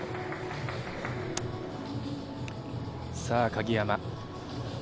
さあ、鍵山。